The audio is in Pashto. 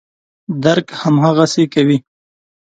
درک هماغسې کوي.